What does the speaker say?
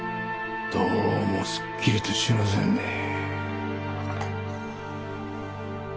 どうもすっきりとしませんねえ。